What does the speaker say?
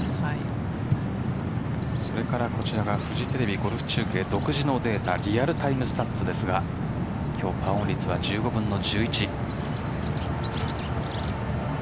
それからこちらがフジテレビゴルフ中継独自のデータリアルタイムスタッツですが今日、パーオン率は１５分の１１。